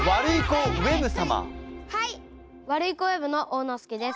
ワルイコウェブのおうのすけです。